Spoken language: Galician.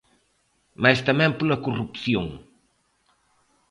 Mais tamén pola corrupción.